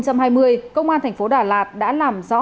công an tp đà lạt đã làm rõ